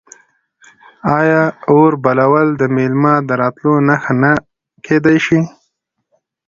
آیا اور بلول د میلمه د راتلو نښه نه کیدی شي؟